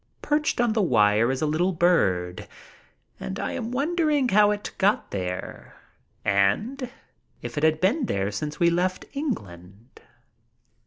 Perched on the wire is a little bird, and I am wondering how it got there and if it had been there since we left England.